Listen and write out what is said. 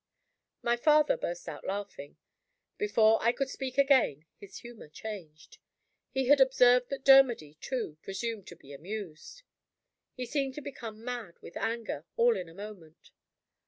My father burst out laughing. Before I could speak again, his humor changed. He had observed that Dermody, too, presumed to be amused. He seemed to become mad with anger, all in a moment.